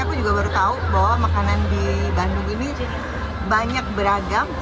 aku juga baru tahu bahwa makanan di bandung ini banyak beragam